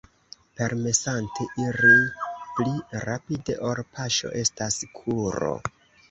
Permesante iri pli rapide ol paŝo estas kuro.